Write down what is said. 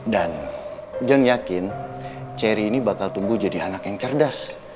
john yakin cherry ini bakal tumbuh jadi anak yang cerdas